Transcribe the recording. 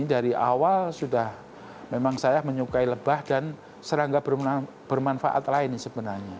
dari awal sudah memang saya menyukai lebah dan serangga bermanfaat lain sebenarnya